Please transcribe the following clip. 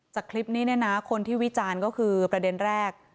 จากคลิปนี้เนี่ยนะคนที่วิจารณ์ก็คือประเด็นแรก